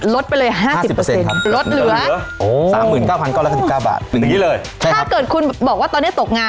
ลดไปเลย๕๐เปอร์เซ็นต์ครับลดเหลือ๓๙๙๙๙บาทถ้าเกิดคุณบอกว่าตอนนี้ตกงาน